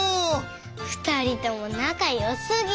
ふたりともなかよすぎ！